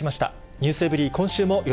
ｎｅｗｓｅｖｅｒｙ．今週もよ